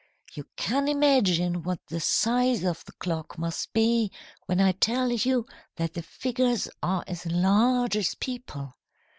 "You can imagine what the size of the clock must be when I tell you that the figures are as large as people.